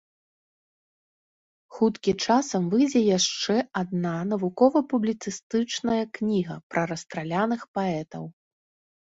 Хуткі часам выйдзе яшчэ адна навукова-публіцыстычная кніга пра расстраляных паэтаў.